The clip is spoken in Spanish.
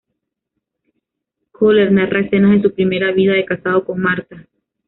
Kohler narra escenas de su primera vida de casado con Martha.